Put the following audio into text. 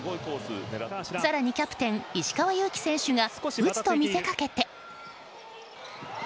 更にキャプテン、石川祐希選手が打つと見せかけて。